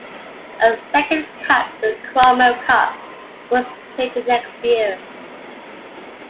A second cup, the Cromwell Cup, was played the next year.